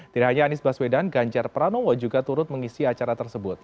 tidak hanya anies baswedan ganjar pranowo juga turut mengisi acara tersebut